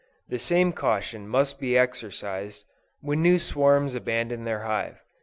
The same caution must be exercised, when new swarms abandon their hive.